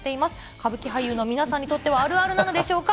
歌舞伎俳優の皆さんにとってはあるあるなのでしょうか。